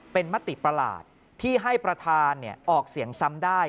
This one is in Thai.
เป็นมติประหลาดที่ให้ประธานออกเสียงซ้ำได้